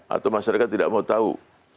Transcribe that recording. atau masyarakat tidak mau tahu